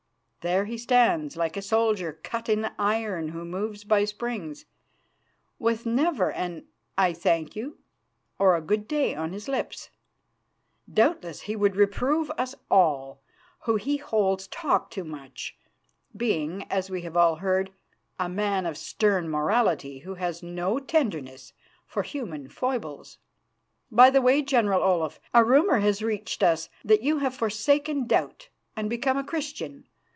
There he stands, like a soldier cut in iron who moves by springs, with never an 'I thank you' or a 'Good day' on his lips. Doubtless he would reprove us all, who, he holds, talk too much, being, as we all have heard, a man of stern morality, who has no tenderness for human foibles. By the way, General Olaf, a rumour has reached us that you have forsaken doubt, and become a Christian.